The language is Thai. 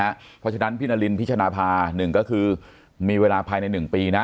เพราะฉะนั้นพี่นารินพิชนาภา๑ก็คือมีเวลาภายใน๑ปีนะ